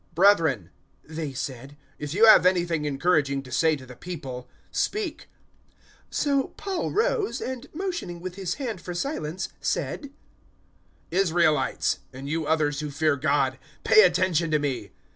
"Brethren," they said, "if you have anything encouraging to say to the people, speak." 013:016 So Paul rose, and motioning with his hand for silence, said, "Israelites, and you others who fear God, pay attention to me.